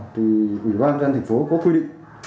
thì ủy ban dân thành phố có quy định